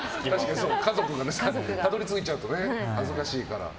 家族がね、たどり着いちゃうと恥ずかしいから。